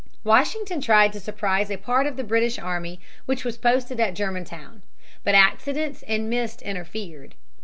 Washington tried to surprise a part of the British army which was posted at Germantown. But accidents and mist interfered.